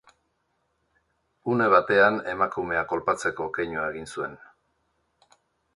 Une batean emakumea kolpatzeko keinua egin zuen.